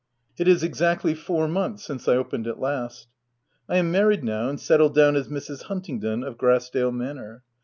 It is exactly four months since I opened it last. I am married now, and settled down as Mrs. Huntingdon of Grassdale Manor.